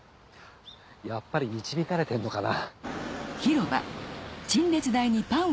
やっぱり導かれてんのかな。